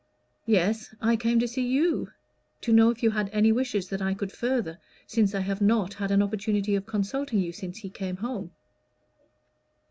"Yes; I came to see you, to know if you had any wishes that I could further, since I have not had an opportunity of consulting you since he came home."